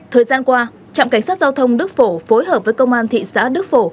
thời gian qua trạm cảnh sát giao thông đức phổ phối hợp với công an thị xã đức phổ